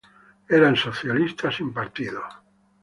Eran socialistas sin partido.